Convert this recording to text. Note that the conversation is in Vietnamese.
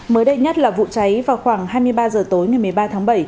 mới đây nhất là vụ cháy vào khoảng hai mươi ba h tối ngày một mươi ba tháng bảy